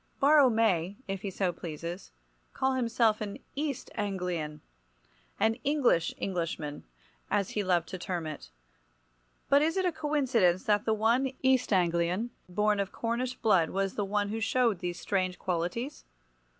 Borrow may, if he so pleases, call himself an East Anglian—"an English Englishman," as he loved to term it—but is it a coincidence that the one East Anglian born of Cornish blood was the one who showed these strange qualities?